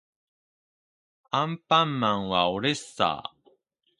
アンパンマンはおれっさー